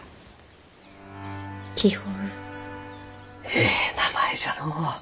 えい名前じゃのう。